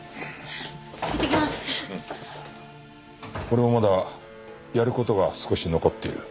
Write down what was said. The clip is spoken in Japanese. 俺もまだやる事が少し残っている。